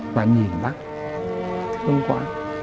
và nhìn bác thương quá